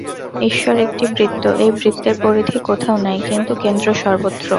ঈশ্বর একটি বৃত্ত, এই বৃত্তের পরিধি কোথাও নাই, কিন্তু কেন্দ্র সর্বত্র।